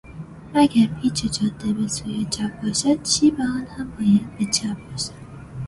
اگر پیچ جاده به سوی چپ باشد، شیب آن هم باید به چپ باشد.